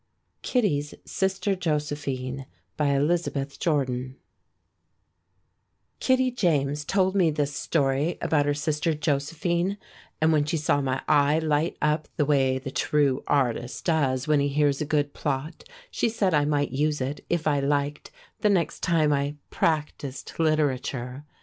Kittie's Sister Josephine BY ELIZABETH JORDAN Kittie James told me this story about her sister Josephine, and when she saw my eye light up the way the true artist's does when he hears a good plot, she said I might use it, if I liked, the next time I "practised literature."